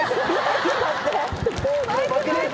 ちょっと待って。